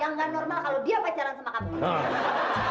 yang nggak normal kalau dia pacaran sama perempuan itu normal